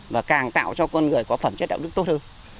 và càng tạo cho con người có phẩm chất đạo đức tốt hơn